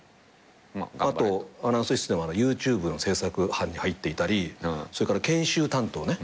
あとアナウンス室ではＹｏｕＴｕｂｅの制作班に入っていたりそれから研修担当ね。